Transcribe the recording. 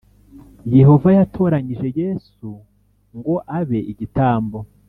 Yehova yatoranyije Yesu ngo abe igitambo